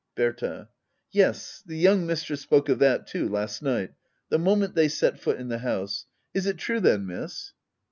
Bbrta. Yes, the young mistress spoke of that too— last night — ^the moment they set foot in the house. Is it true then. Miss